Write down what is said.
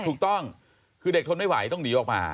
ถูกต้องคือเด็กทนไม่ไหวต้องหนีออกมา